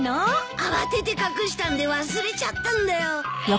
慌てて隠したんで忘れちゃったんだよ。